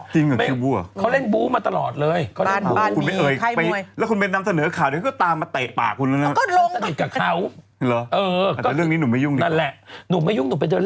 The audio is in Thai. จริงเหรอเขาเล่นบู๊มาตลอดเลย